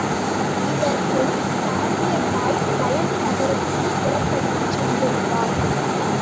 இதற்குள் சாங்கியத் தாய் சயந்தி நகருக்குப் புறப்பட்டுச் சென்றிருந்தாள்.